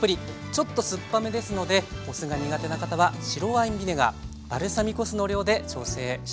ちょっと酸っぱめですのでお酢が苦手な方は白ワインビネガーバルサミコ酢の量で調整して下さい。